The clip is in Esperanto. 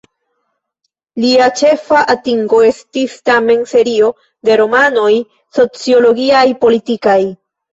Lia ĉefa atingo estis tamen serio de romanoj sociologiaj-politikaj.